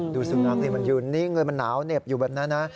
ดูสุนัขนี่มันยืนนิ่งเลยมันหนาวเหน็บอยู่แบบนั้นนะ